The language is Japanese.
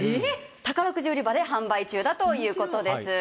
宝くじ売り場で販売中だということです。